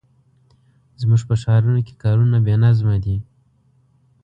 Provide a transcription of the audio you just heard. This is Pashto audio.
زموږ په ښارونو کې کارونه بې نظمه دي.